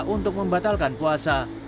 untuk membatalkan puasa